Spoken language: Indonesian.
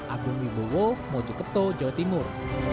agung wibowo mojokerto jawa timur